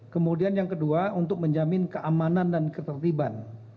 kemudian yang kedua untuk menjamin keamanan dan ketertiban